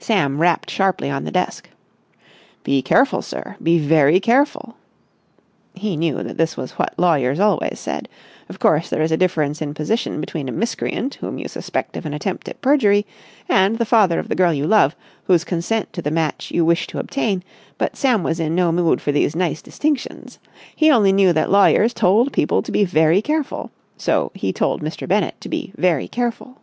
Sam rapped sharply on the desk. "Be careful, sir. Be very careful!" He knew that this was what lawyers always said. Of course, there is a difference in position between a miscreant whom you suspect of an attempt at perjury and the father of the girl you love, whose consent to the match you wish to obtain, but Sam was in no mood for these nice distinctions. He only knew that lawyers told people to be very careful, so he told Mr. Bennett to be very careful.